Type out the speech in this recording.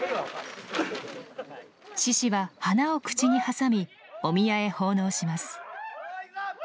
獅子は「花」を口に挟みお宮へ奉納します。